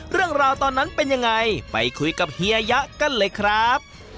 เรื่องราวตอนนั้นเป็นยังไงไปคุยกับเฮียยะกันเลยครับ